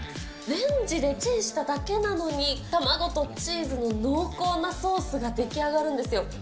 レンジでチンしただけなのに、卵とチーズの濃厚なソースが出来上がるんですよ。